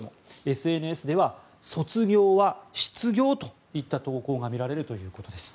ＳＮＳでは卒業は失業といった投稿が見られるということです。